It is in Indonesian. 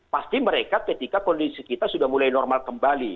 pasti mereka ketika kondisi kita sudah mulai normal kembali